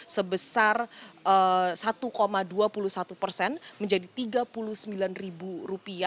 sebesar satu dua puluh satu persen menjadi rp tiga puluh sembilan